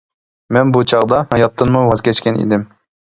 مەن بۇ چاغدا ھاياتتىنمۇ ۋاز كەچكەن ئىدىم.